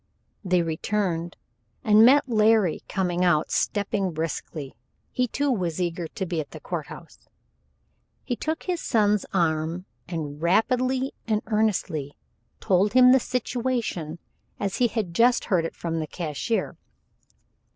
They returned and met Larry coming out, stepping briskly. He too was eager to be at the courthouse. He took his son's arm and rapidly and earnestly told him the situation as he had just heard it from the cashier.